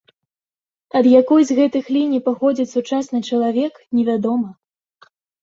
Ад якой з гэтых ліній паходзіць сучасны чалавек, невядома.